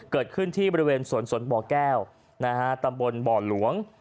เกิดขึ้นที่บริเวณสวนสนบ่อแก้วตำบลบ่อหลวง